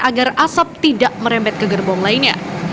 agar asap tidak merembet ke gerbong lainnya